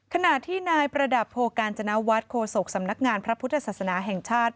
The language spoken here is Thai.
ขณะที่นายประดับโพกาญจนวัฒน์โคศกสำนักงานพระพุทธศาสนาแห่งชาติ